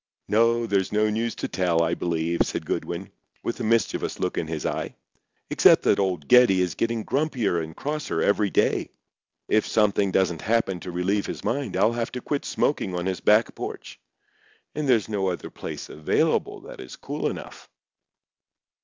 "No, there's no news to tell, I believe," said Goodwin, with a mischievous look in his eye, "except that old Geddie is getting grumpier and crosser every day. If something doesn't happen to relieve his mind I'll have to quit smoking on his back porch—and there's no other place available that is cool enough."